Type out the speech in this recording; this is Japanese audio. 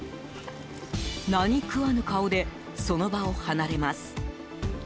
何食わぬ顔でその場を離れます。